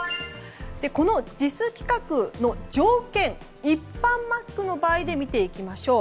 このＪＩＳ規格の条件一般マスクの場合で見ていきましょう。